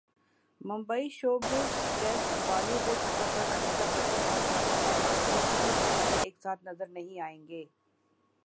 Mumbai showbiz desk Bollywood اداکار امیتابھ بچن اور شاہ رخ خان اب کسی بھی فلم میں ایک ساتھ نظر نہیں آئیں گے